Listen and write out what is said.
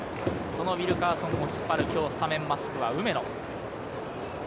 そのウィルカーソンを引っ張る、今日スタメンマスクは梅野。